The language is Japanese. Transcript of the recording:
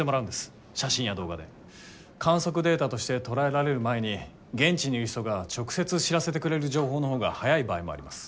観測データとして捉えられる前に現地にいる人が直接知らせてくれる情報の方が早い場合もあります。